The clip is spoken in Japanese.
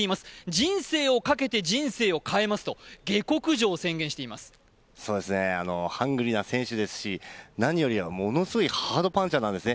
人生をかけて人生を変えますとハングリーな選手ですし何よりものすごいハードパンチャーなんですね。